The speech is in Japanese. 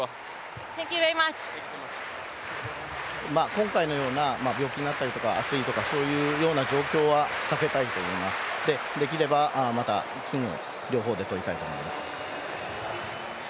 今回のような病気になったりとか暑いとか、そういうような状況は避けたいと思いますので、できればまた金を両方で取りたいと思います。